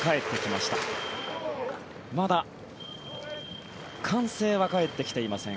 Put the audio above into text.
まだ歓声は帰ってきていません。